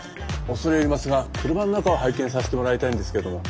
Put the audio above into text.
恐れ入りますが車の中を拝見させてもらいたいんですけども。